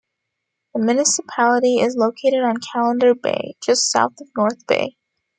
The municipality is located on Callander Bay, just south of North Bay.